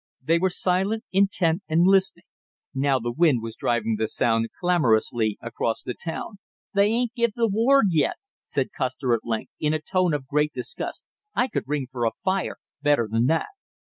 They were silent, intent and listening. Now the wind was driving the sound clamorously across the town. "They ain't give the ward yet!" said Custer at length, in a tone of great disgust. "I could ring for a fire better than that!"